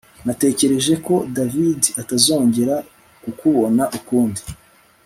Natekereje ko David atazongera kukubona ukundi